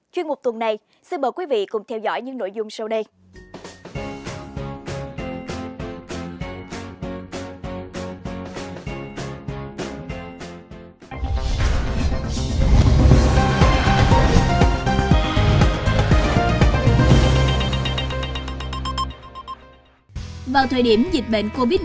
chuyên mục tuần này xin mời quý vị cùng theo dõi những nội dung sau đây